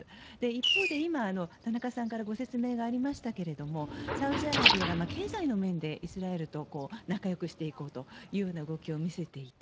一方で今、田中さんからご説明がありましたがサウジアラビアが経済の面でイスラエルと仲良くしていこうというような動きを見せていた。